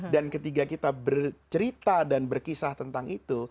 dan ketika kita bercerita dan berkisah tentang itu